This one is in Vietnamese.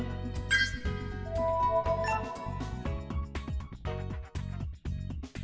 trong thời gian tới